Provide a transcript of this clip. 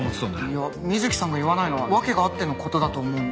いや水木さんが言わないのは訳があっての事だと思うので。